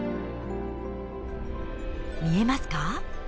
見えますか？